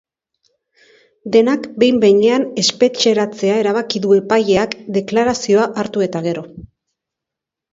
Denak behin-behinean espetxeratzea erabaki du epaileak deklarazioa hartu eta gero.